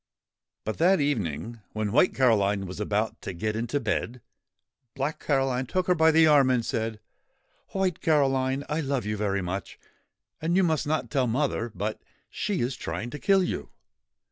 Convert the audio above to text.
But that evening, when White Caroline was about to get into bed, Black Caroline took her by the arm and said : 'White Caroline, I love you very much ; and you must not tell mother ; but she is trying to kill you.